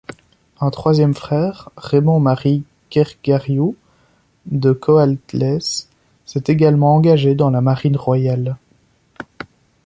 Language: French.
Un troisième frère, Raymond-Marie Kergariou de Coatlès s’est également engagé dans la Marine royale.